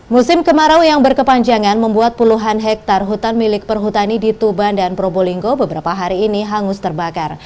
musim kemarau yang berkepanjangan membuat puluhan hektare hutan milik perhutani di tuban dan probolinggo beberapa hari ini hangus terbakar